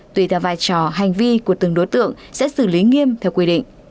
tùy theo vai trò hành vi của từng đối tượng sẽ xử lý nghiêm theo quy định